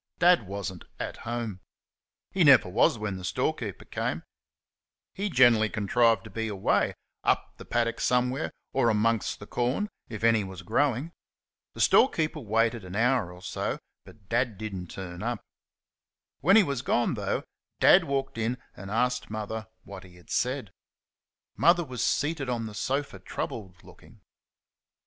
Dad was n't at home. He never was when the storekeeper came; he generally contrived to be away, up the paddock somewhere or amongst the corn if any was growing. The storekeeper waited an hour or so, but Dad did n't turn up. When he was gone, though, Dad walked in and asked Mother what he had said. Mother was seated on the sofa, troubled looking.